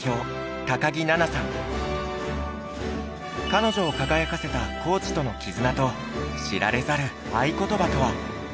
彼女を輝かせたコーチとの絆と知られざる愛ことばとは？